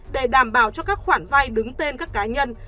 để đảm bảo cho các khoản vay đứng tên các cá nhân